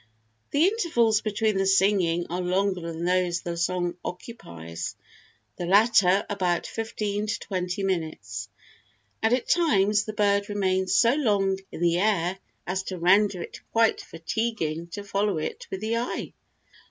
The intervals between the singing are longer than those the song occupies (the latter about fifteen to twenty minutes), and at times the bird remains so long in the air as to render it quite fatiguing to follow it with the eye.